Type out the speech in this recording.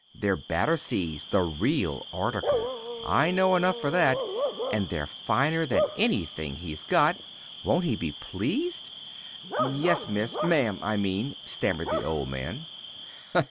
"They're Batterseas the real article. I know enough for that; and they're finer than anything he's got. Won't he be pleased?" "Yes, Miss ma'am, I mean," stammered the old man.